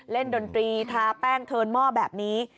ดนตรีทาแป้งเทินหม้อแบบนี้